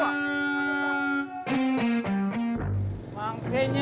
bukan emang sebenarnya